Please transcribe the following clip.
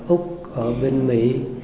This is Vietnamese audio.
úc ở bên mỹ